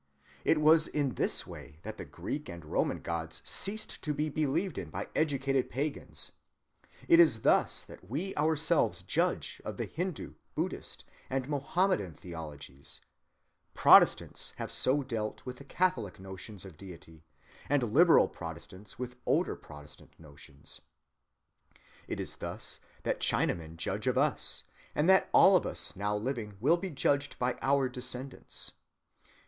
It was in this way that the Greek and Roman gods ceased to be believed in by educated pagans; it is thus that we ourselves judge of the Hindu, Buddhist, and Mohammedan theologies; Protestants have so dealt with the Catholic notions of deity, and liberal Protestants with older Protestant notions; it is thus that Chinamen judge of us, and that all of us now living will be judged by our descendants.